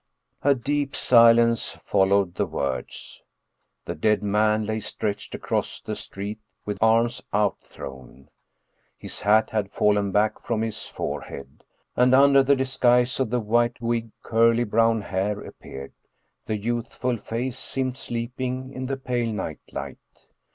A deep silence followed the words. The dead man lay stretched across the street with arms outthrown. His hat had fallen back from his forehead, and under the disguise of the white wig curly brown hair appeared, the youthful face seemed sleeping in the pale night light.